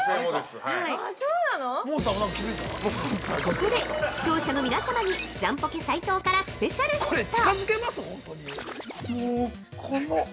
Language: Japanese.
◆ここで、視聴者の皆様にジャンポケ斉藤からスペシャルヒント！